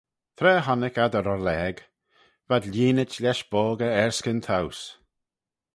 Tra honnick ad y rollage, v'ad lhieenit lesh boggey erskyn towse.